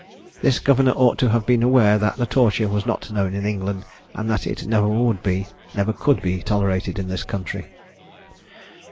This governor ought to have been aware that the torture was not known in England; and that it never would be, never could be tolerated in this country.